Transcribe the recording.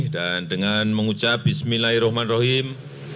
dan dengan mengucap bismillahirrahmanirrahim